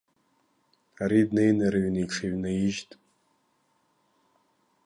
Ари днеины рыҩны иҽыҩнаижьт.